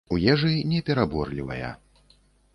У ежы не пераборлівая.